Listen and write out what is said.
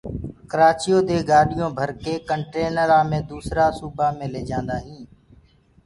ڪرآچيو دي گآڏيونٚ ڀرڪي ڪنٽينرآ مي دوسرآ سوبآ مي ليجآنٚدآ هينٚ